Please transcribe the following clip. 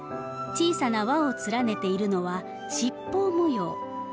小さな輪を連ねているのは七宝模様。